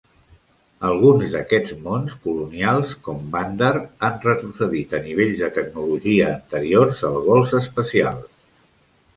Alguns d'aquests mons colonials, com Vandar, han retrocedit a nivells de tecnologia anteriors als vols espacials.